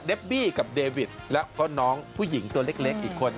บี้กับเดวิดแล้วก็น้องผู้หญิงตัวเล็กอีกคน